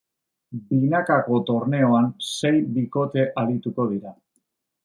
Binakako torneoan sei bikotearituko dira.